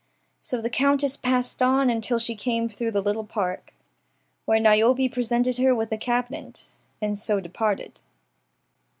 so the countess passed on until she came through the little park, where Niobe presented her with a cabinet, and so departed.